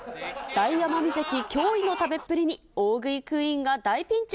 大奄美関、驚異の食べっぷりに大食いクイーンが大ピンチ。